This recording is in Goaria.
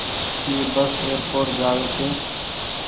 اي بس ايئر پوٽ جآ وي ڇي۔